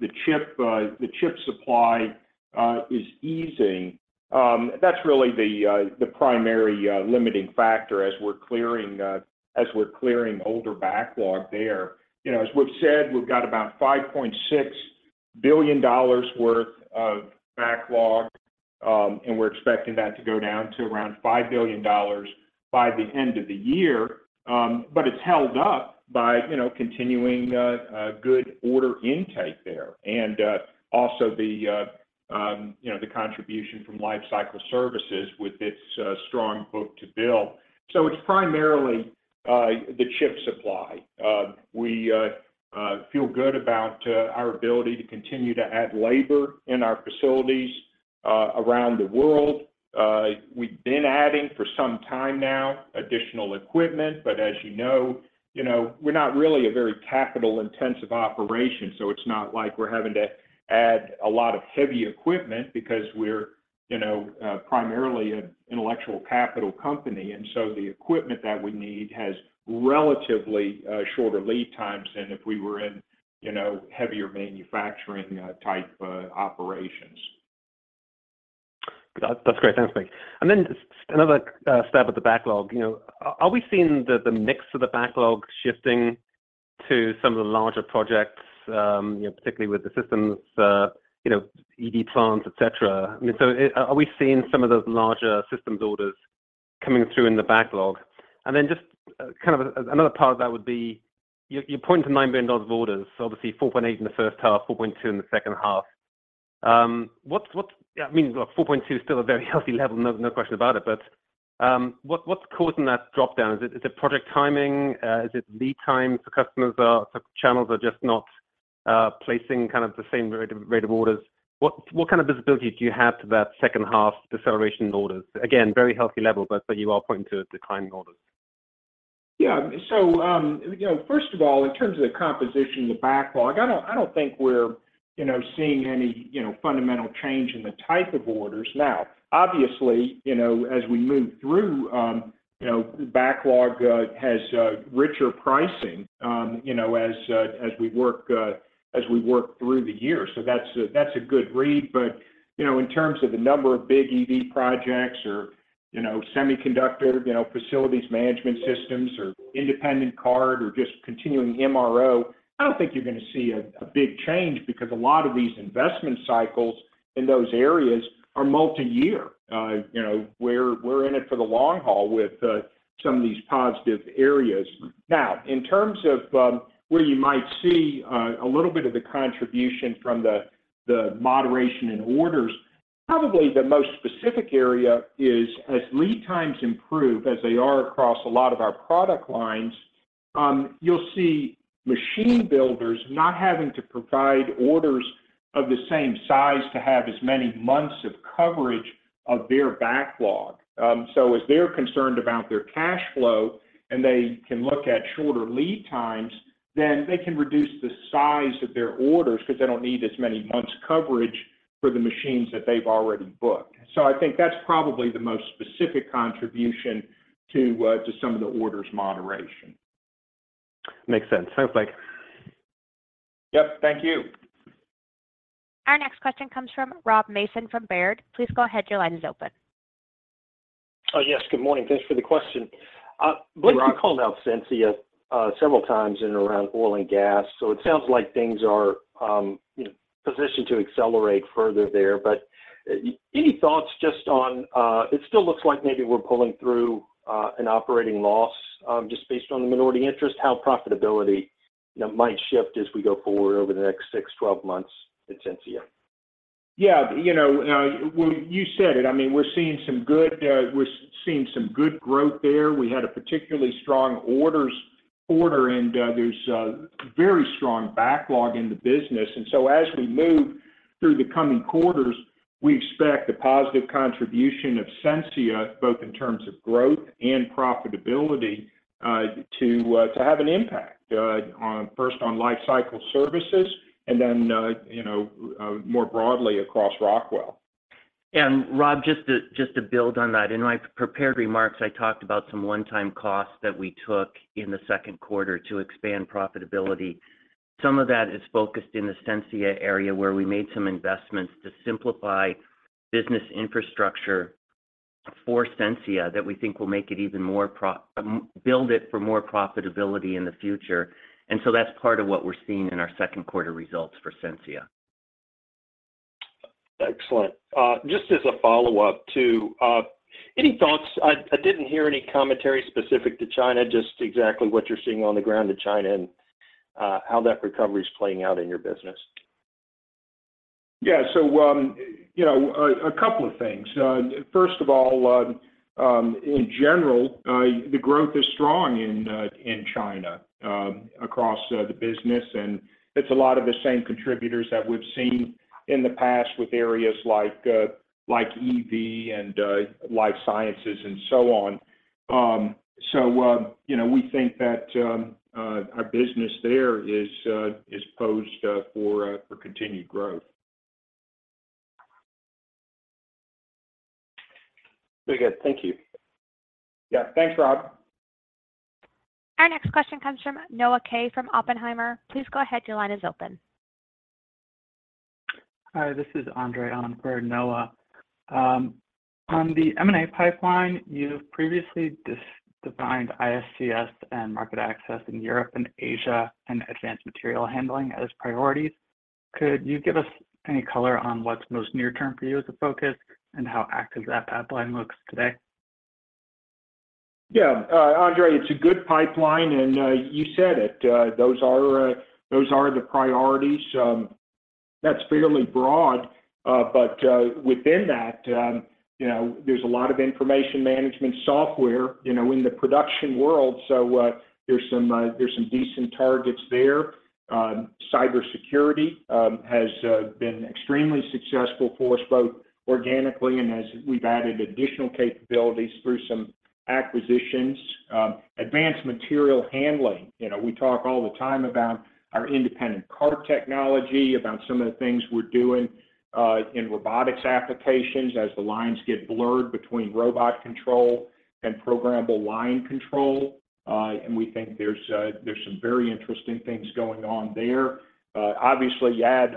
the chip supply is easing, that's really the primary limiting factor as we're clearing older backlog there. You know, as we've said, we've got about $5.6 billion worth of backlog, and we're expecting that to go down to around $5 billion by the end of the year. It's held up by, you know, continuing a good order intake there and also the, you know, the contribution from lifecycle services with its strong book-to-bill. It's primarily the chip supply. We feel good about our ability to continue to add labor in our facilities around the world. We've been adding for some time now additional equipment, as you know, you know, we're not really a very capital-intensive operation, so it's not like we're having to add a lot of heavy equipment because we're, you know, primarily an intellectual capital company. The equipment that we need has relatively shorter lead times than if we were in, you know, heavier manufacturing type operations. That's great. Thanks, Blake. Just another stab at the backlog. You know, are we seeing the mix of the backlog shifting to some of the larger projects, you know, particularly with the systems, you know, EV plants, et cetera? I mean, are we seeing some of those larger systems orders coming through in the backlog? Just kind of another part of that would be, you pointed to $9 billion of orders. Obviously $4.8 billion in the first half, $4.2 billion in the second half. I mean, look, $4.2 billion is still a very healthy level, no question about it, but what's causing that drop-down? Is it project timing? Is it lead time for customers or sort of channels are just not placing kind of the same rate of orders? What kind of visibility do you have to that second half deceleration in orders? Again, very healthy level, but you are pointing to declining orders. You know, first of all, in terms of the composition of the backlog, I don't think we're, you know, seeing any, you know, fundamental change in the type of orders. Obviously, you know, as we move through, you know, backlog has richer pricing, you know, as we work through the year. That's a good read. You know, in terms of the number of big EV projects or, you know, semiconductor, you know, facilities management systems or independent card or just continuing MRO, I don't think you're gonna see a big change because a lot of these investment cycles in those areas are multiyear. You know, we're in it for the long haul with some of these positive areas. In terms of where you might see a little bit of the contribution from the moderation in orders, probably the most specific area is as lead times improve, as they are across a lot of our product lines, you'll see machine builders not having to provide orders of the same size to have as many months of coverage of their backlog. As they're concerned about their cash flow, and they can look at shorter lead times, they can reduce the size of their orders because they don't need as many months coverage for the machines that they've already booked. I think that's probably the most specific contribution to some of the orders moderation. Makes sense. Sounds like. Yep. Thank you. Our next question comes from Rob Mason from Baird. Please go ahead. Your line is open. Yes. Good morning. Thanks for the question. Hey, Rob. Blake, you called out Sensia several times in and around oil and gas, so it sounds like things are, you know, positioned to accelerate further there. Any thoughts just on it still looks like maybe we're pulling through an operating loss, just based on the minority interest, how profitability, you know, might shift as we go forward over the next six, 12 months at Sensia. Yeah. You know, well, you said it. I mean, we're seeing some good growth there. We had a particularly strong orders quarter. There's very strong backlog in the business. As we move through the coming quarters, we expect the positive contribution of Sensia, both in terms of growth and profitability, to have an impact on first on lifecycle services and then, you know, more broadly across Rockwell. Rob, just to build on that, in my prepared remarks, I talked about some one-time costs that we took in the second quarter to expand profitability. Some of that is focused in the Sensia area, where we made some investments to simplify business infrastructure for Sensia that we think will make it even more build it for more profitability in the future. That's part of what we're seeing in our second quarter results for Sensia. Excellent. Just as a follow-up, I didn't hear any commentary specific to China, just exactly what you're seeing on the ground in China and how that recovery is playing out in your business. Yeah. You know, a couple of things. First of all, in general, the growth is strong in China, across the business, and it's a lot of the same contributors that we've seen in the past with areas like EV and life sciences and so on. You know, we think that our business there is posed for continued growth. Very good. Thank you. Yeah. Thanks, Rob. Our next question comes from Noah Kaye from Oppenheimer. Please go ahead. Your line is open. Hi, this is Andre on for Noah. On the M&A pipeline, you've previously defined ISCS and market access in Europe and Asia and advanced material handling as priorities. Could you give us any color on what's most near-term for you as a focus and how active that pipeline looks today? Yeah. Andre, it's a good pipeline, you said it. Those are the priorities. That's fairly broad, but within that, you know, there's a lot of information management software, you know, in the production world. There's some decent targets there. Cybersecurity has been extremely successful for us, both organically and as we've added additional capabilities through some acquisitions. Advanced material handling, you know, we talk all the time about our independent cart technology, about some of the things we're doing in robotics applications as the lines get blurred between robot control and programmable line control. We think there's some very interesting things going on there. obviously, you add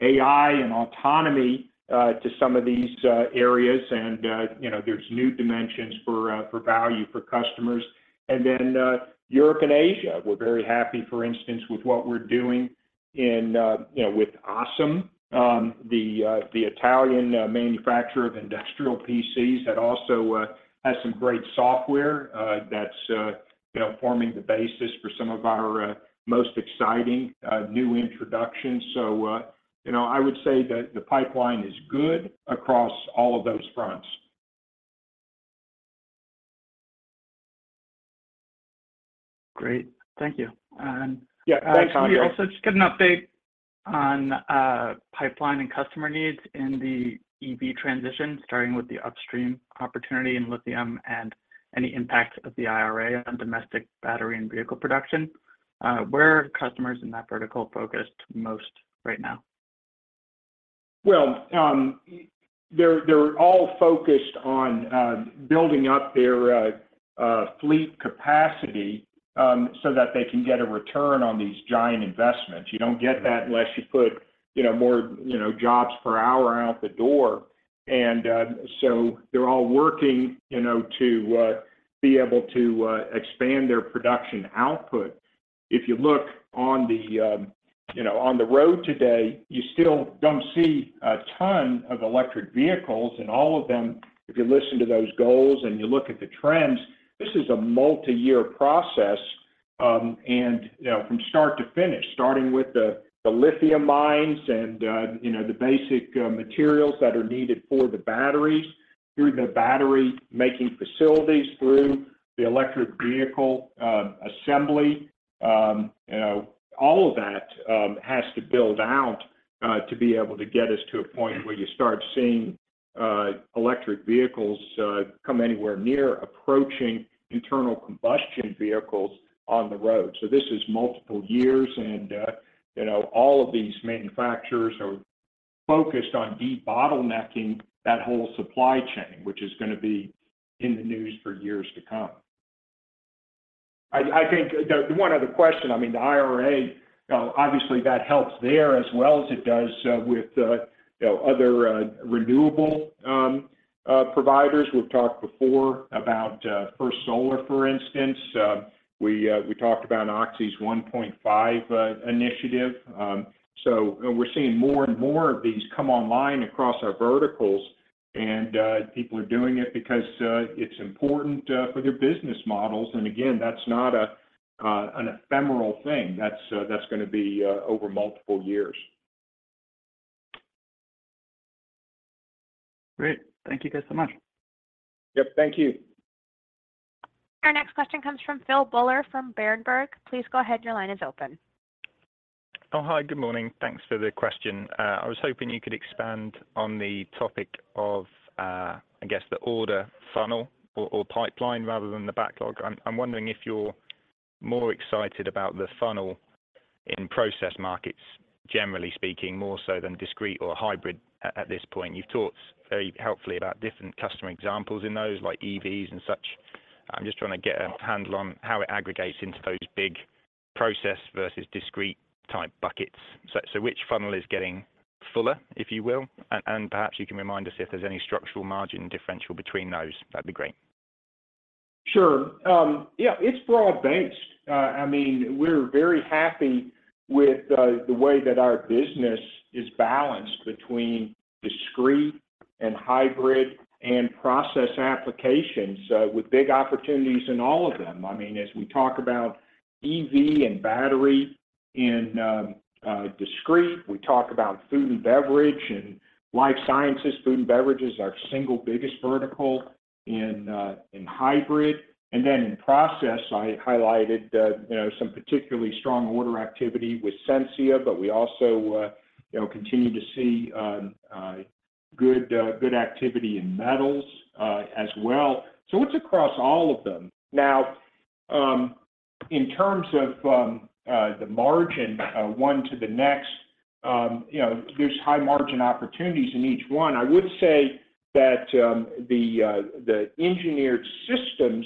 AI and autonomy to some of these areas and you know, there's new dimensions for for value for customers. Europe and Asia, we're very happy, for instance, with what we're doing in you know, with ASEM, the Italian manufacturer of industrial PCs that also has some great software that's you know, forming the basis for some of our most exciting new introductions. you know, I would say that the pipeline is good across all of those fronts. Great. Thank you. Yeah. Thanks, Andre. Could we also just get an update on pipeline and customer needs in the EV transition, starting with the upstream opportunity in lithium and any impact of the IRA on domestic battery and vehicle production? Where are customers in that vertical focused most right now? Well, they're all focused on building up their fleet capacity so that they can get a return on these giant investments. You don't get that unless you put, you know, more, you know, jobs per hour out the door. So they're all working, you know, to be able to expand their production output. If you look on the, you know, on the road today, you still don't see a ton of electric vehicles and all of them, if you listen to those goals and you look at the trends, this is a multi-year process. You know, from start to finish, starting with the lithium mines and, you know, the basic materials that are needed for the batteries through the battery-making facilities, through the electric vehicle assembly. You know, all of that has to build out to be able to get us to a point where you start seeing electric vehicles come anywhere near approaching internal combustion vehicles on the road. This is multiple years and, you know, all of these manufacturers are focused on de-bottlenecking that whole supply chain, which is gonna be in the news for years to come. I think the one other question, I mean, the IRA, obviously that helps there as well as it does with, you know, other renewable providers. We've talked before about First Solar, for instance. We talked about Oxy's 1PointFive initiative. We're seeing more and more of these come online across our verticals, and people are doing it because it's important for their business models. Again, that's not a an ephemeral thing. That's gonna be over multiple years. Great. Thank you guys so much. Yep, thank you. Our next question comes from Philip Buller from Berenberg. Please go ahead. Your line is open. Hi. Good morning. Thanks for the question. I was hoping you could expand on the topic of the order funnel or pipeline rather than the backlog. I'm wondering if you're more excited about the funnel in process markets, generally speaking, more so than discrete or hybrid at this point. You've talked very helpfully about different customer examples in those, like EVs and such. I'm just trying to get a handle on how it aggregates into those big process versus discrete type buckets. Which funnel is getting fuller, if you will? Perhaps you can remind us if there's any structural margin differential between those. That'd be great. Sure. Yeah, it's broad-based. I mean, we're very happy with the way that our business is balanced between discrete and hybrid and process applications, with big opportunities in all of them. I mean, as we talk about EV and battery in, discrete, we talk about food and beverage and life sciences. Food and beverage is our single biggest vertical in hybrid. In process, I highlighted, you know, some particularly strong order activity with Sensia. We also, you know, continue to see good activity in metals as well. It's across all of them. Now, in terms of the margin one to the next, you know, there's high margin opportunities in each one. I would say that the engineered systems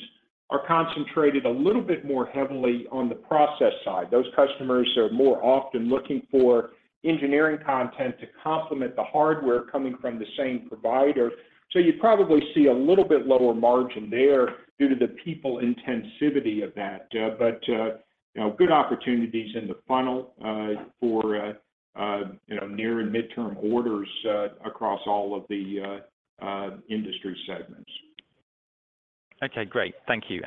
are concentrated a little bit more heavily on the process side. Those customers are more often looking for engineering content to complement the hardware coming from the same provider. You probably see a little bit lower margin there due to the people intensivity of that. You know, good opportunities in the funnel for, you know, near and midterm orders across all of the industry segments. Okay, great. Thank you.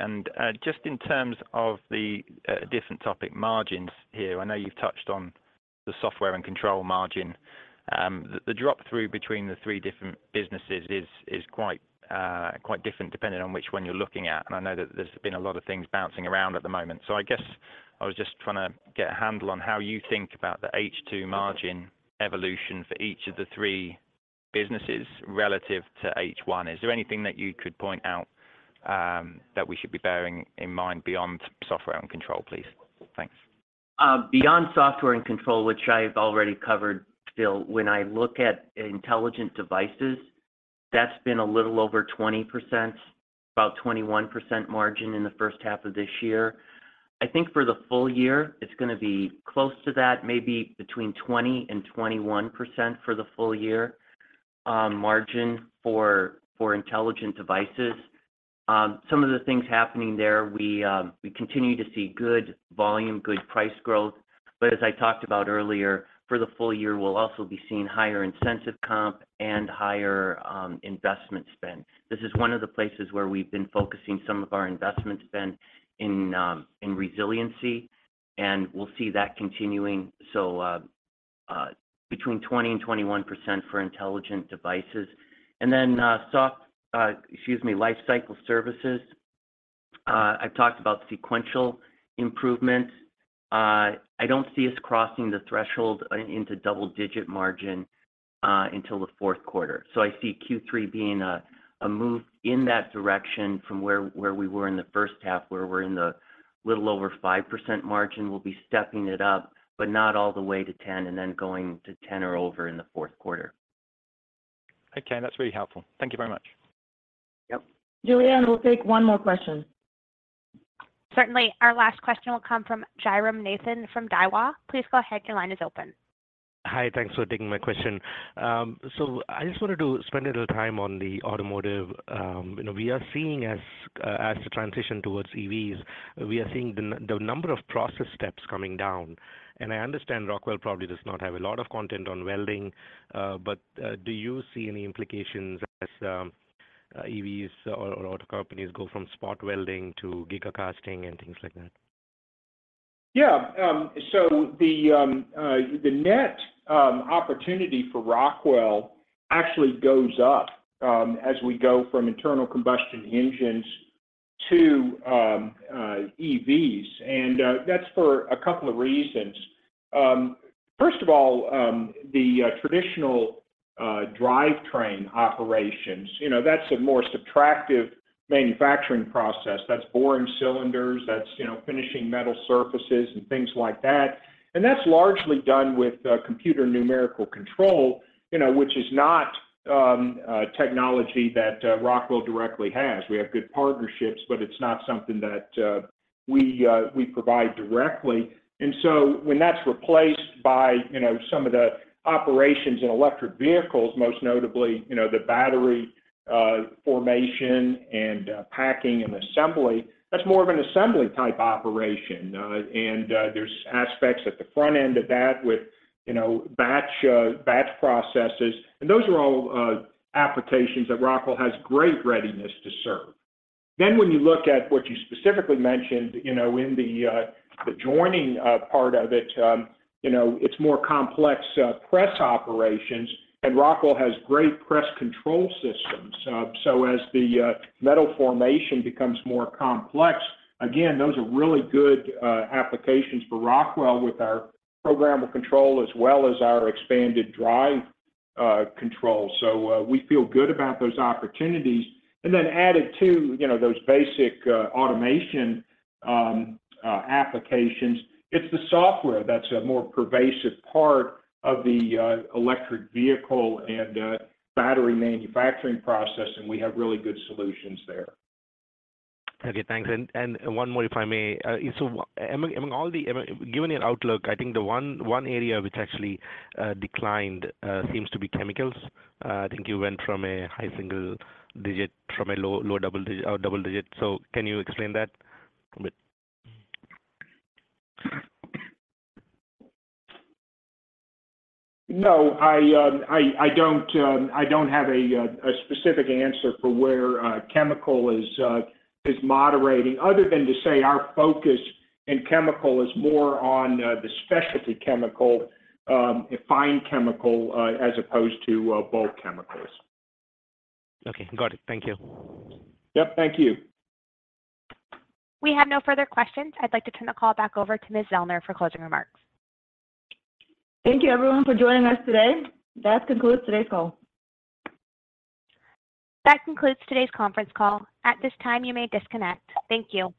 Just in terms of the different topic margins here, I know you've touched on the software and control margin. The drop-through between the three different businesses is quite different depending on which one you're looking at. I know that there's been a lot of things bouncing around at the moment. I guess I was just trying to get a handle on how you think about the H2 margin evolution for each of the three businesses relative to H1. Is there anything that you could point out that we should be bearing in mind beyond software and control, please? Thanks. Beyond software and control, which I've already covered, Phil, when I look at intelligent devices, that's been a little over 20%, about 21% margin in the first half of this year. I think for the full year, it's gonna be close to that, maybe between 20% and 21% for the full year, margin for intelligent devices. Some of the things happening there, we continue to see good volume, good price growth. As I talked about earlier, for the full year, we'll also be seeing higher incentive comp and higher investment spend. This is one of the places where we've been focusing some of our investment spend in resiliency, and we'll see that continuing. Between 20% and 21% for intelligent devices. Excuse me, lifecycle services. I've talked about sequential improvement. I don't see us crossing the threshold into double-digit margin, until the fourth quarter. I see Q3 being a move in that direction from where we were in the first half, where we're in the little over 5% margin. We'll be stepping it up, but not all the way to 10, and then going to 10 or over in the fourth quarter. Okay. That's really helpful. Thank you very much. Yep. Julianne, we'll take one more question. Certainly. Our last question will come from Jairam Nathan from Daiwa. Please go ahead, your line is open. Hi, thanks for taking my question. I just wanted to spend a little time on the automotive. You know, we are seeing as the transition towards EVs, we are seeing the number of process steps coming down. I understand Rockwell probably does not have a lot of content on welding, do you see any implications as EVs or auto companies go from spot welding to giga casting and things like that? Yeah. The net opportunity for Rockwell actually goes up as we go from internal combustion engines to EVs. That's for a couple of reasons. First of all, the traditional drivetrain operations, you know, that's a more subtractive manufacturing process. That's boring cylinders, that's, you know, finishing metal surfaces and things like that. That's largely done with computer numerical control, you know, which is not technology that Rockwell directly has. We have good partnerships, but it's not something that we provide directly. When that's replaced by, you know, some of the operations in electric vehicles, most notably, you know, the battery formation and packing and assembly, that's more of an assembly type operation. There's aspects at the front end of that with, you know, batch processes. Those are all applications that Rockwell has great readiness to serve. When you look at what you specifically mentioned, you know, in the joining part of it, you know, it's more complex press operations, and Rockwell has great press control systems. As the metal formation becomes more complex, again, those are really good applications for Rockwell with our programmable control as well as our expanded drive control. We feel good about those opportunities. Then added to, you know, those basic automation applications, it's the software that's a more pervasive part of the electric vehicle and battery manufacturing process, and we have really good solutions there. Okay, thanks. One more, if I may. Among all the Given your outlook, I think the one area which actually declined seems to be chemicals. I think you went from a high single digit from a low double digit or double digit. Can you explain that a bit? No, I don't have a specific answer for where chemical is moderating other than to say our focus in chemical is more on the specialty chemical, fine chemical, as opposed to bulk chemicals. Okay. Got it. Thank you. Yep, thank you. We have no further questions. I'd like to turn the call back over to Ms. Zellner for closing remarks. Thank you everyone for joining us today. That concludes today's call. That concludes today's conference call. At this time, you may disconnect. Thank you.